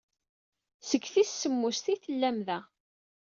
Seg tis semmuset ay tellam da.